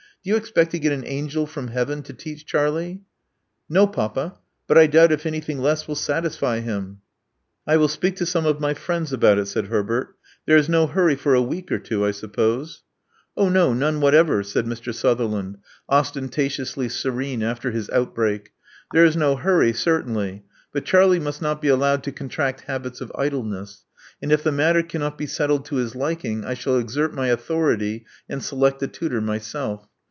Do you expect to get an angel from heaven to teacb Charlie?" No, papa; but I doubt if anything less will satis I U speak to some of my friends about it," ' Ber . "There is no hurry for a week or tv Love Among the Artists 9 Oh, no, none whatever," said Mr. Sutherland, ostentatiously serene after his outbreak: thereisno hurry certainly. But Charlie must not be allowed to contract habits of idleness; and if the matter cannot be settled to his liking, I shall exert my authority, and select a tutor myself.